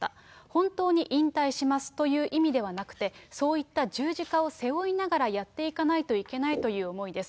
本当に引退しますという意味ではなくて、そういった十字架を背負いながらやっていかないといけないという思いです。